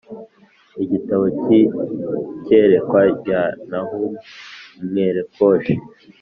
Igitabo cy’iyerekwa rya Nahumu Umwelekoshi